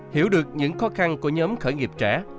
hiểu được những khó khăn của nhóm khởi nghiệp trẻ